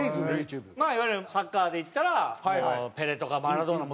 まあいわゆるサッカーで言ったらペレとかマラドーナもう伝説。